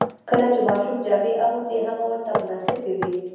کله چې ماشوم جامې اغوندي، هغه ورته مناسبې وي.